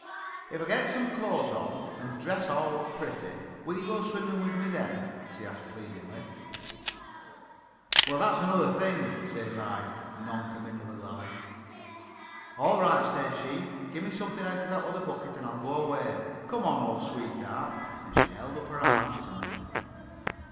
"'If I get some clothes on and dress all up pretty, will you go swimming with me then?' she asks pleadingly. "'Well that's another thing,' says I, noncommittal like. "'All right,' says she, 'gimme something out of that other bucket and I'll go away. Come on, old sweetheart,' and she held up her arms to me.